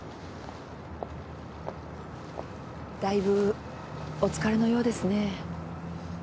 大分お疲れのようですね？